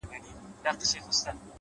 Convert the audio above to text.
كله.كله يې ديدن تــه لـيونـى سم.